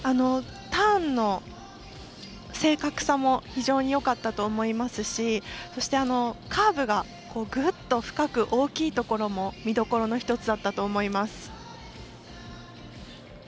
ターンの正確さも非常によかったと思いますしそして、カーブがぐるっと深く大きいところも見どころの１つだったと思います。